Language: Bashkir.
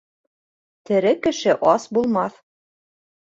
Тере кеше ас булмаҫ.